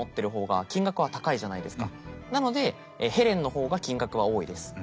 なのでヘレンの方が金額は多いです。